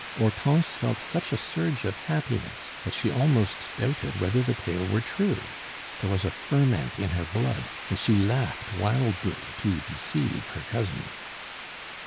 Hortense felt such a surge of happiness, that she almost doubted whether the tale were true; there was a ferment in her blood, and she laughed wildly to deceive her cousin.